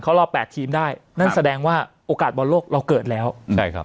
เขารอแปดทีมได้นั่นแสดงว่าโอกาสบอลโลกเราเกิดแล้วใช่ครับ